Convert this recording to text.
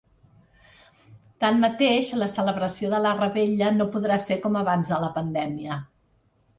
Tanmateix, la celebració de la revetlla no podrà ser com abans de la pandèmia.